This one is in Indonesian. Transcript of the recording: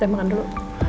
saya makan dulu